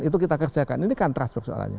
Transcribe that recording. itu kita kerjakan ini kan trust persoalannya